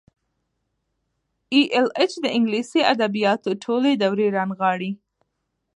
ای ایل ایچ د انګلیسي ادبیاتو ټولې دورې رانغاړي.